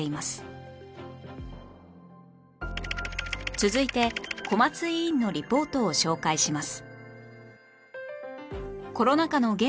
続いて小松委員のリポートを紹介します